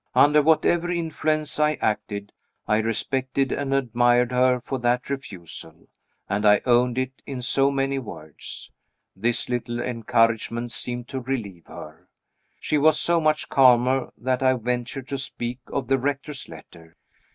Under whatever influence I acted, I respected and admired her for that refusal, and I owned it in so many words. This little encouragement seemed to relieve her. She was so much calmer that I ventured to speak of the Rector's letter.